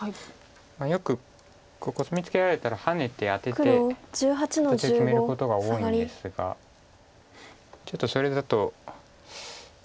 よくコスミツケられたらハネてアテて形を決めることが多いんですがちょっとそれだと。